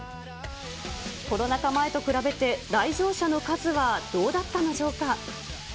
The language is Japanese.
コロナ禍前と比べて、来場者の数はどうだったのでしょうか。